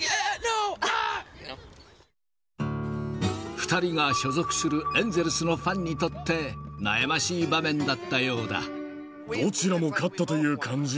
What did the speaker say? ２人が所属するエンゼルスのファンにとって、悩ましい場面だったどちらも勝ったという感じ。